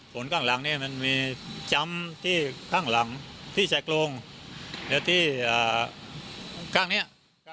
ข้างหลังเนี่ยมันมีช้ำที่ข้างหลังที่ใส่โลงแล้วที่ข้างนี้